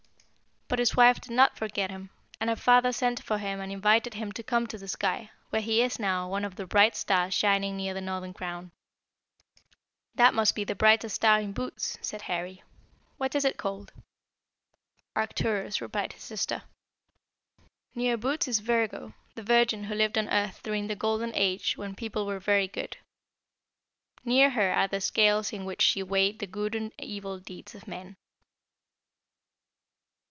"But his wife did not forget him, and her father sent for him and invited him to come to the sky, where he is now one of the bright stars shining near the Northern Crown." [Illustration: THE NORTHERN CROWN, AND BOOTES, THE BEAR DRIVER.] "That must be the brightest star in Bootes," said Harry. "What is it called?" "Arcturus," replied his sister. "Near Bootes is Virgo, the Virgin who lived on Earth during the Golden Age when people were very good. Near her are the scales in which she weighed the good and evil deeds of men."